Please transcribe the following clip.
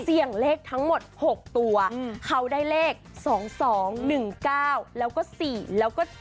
เสี่ยงเลขทั้งหมด๖ตัวเขาได้เลข๒๒๑๙แล้วก็๔แล้วก็๗